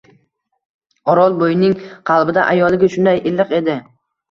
O’rolboynnig qalbida ayoliga shunday iliq edi.